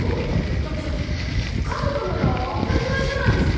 だって家族なら当たり前じゃないですか！